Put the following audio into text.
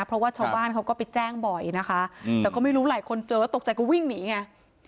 เพราะว่าชาวบ้านเขาก็ไปแจ้งบ่อยนะคะแต่ก็ไม่รู้หลายคนเจอแล้วตกใจก็วิ่งหนีไง